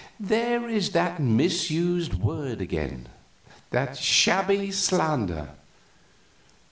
"There is that misused word again that shabby slander.